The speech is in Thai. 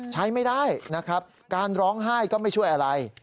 ใช้ไม่ได้นะครับการร้องไห้ก็ไม่ช่วยอะไร